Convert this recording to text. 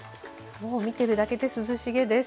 もう見てるだけで涼しげです。